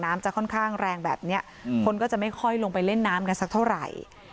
จะค่อนข้างแรงแบบนี้คนก็จะไม่ค่อยลงไปเล่นน้ำกันสักเท่าไหร่